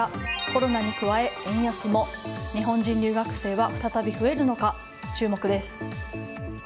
コロナに加え円安も日本人留学生は再び増えるのか注目です。